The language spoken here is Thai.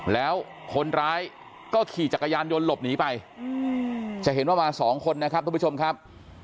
แล้วคนร้ายก็ขี่จักรยานยนต์หลบหนีไปจะเห็นว่ามาสองคนนะครับทุกผู้ชมครับ